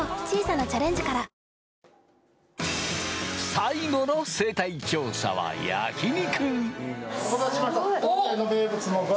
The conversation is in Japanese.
最後の生態調査は焼き肉。